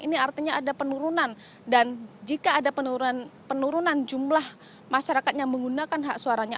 ini artinya ada penurunan dan jika ada penurunan jumlah masyarakat yang menggunakan hak suaranya